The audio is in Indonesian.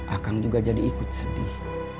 akang juga jadi ikut sedih